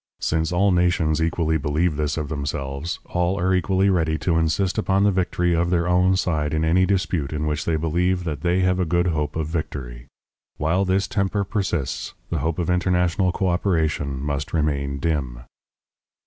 Since all nations equally believe this of themselves, all are equally ready to insist upon the victory of their own side in any dispute in which they believe that they have a good hope of victory. While this temper persists, the hope of international coöperation must remain dim.